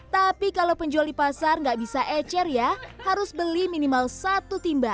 tapi kalau penjual di pasar nggak bisa ecer ya harus beli minimal satu timba